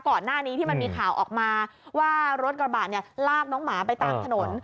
ก่อนหน้านี้ที่มันมีข่าวออกมาว่ารถกระบะเนี่ยลากน้องหมาไปตามถนน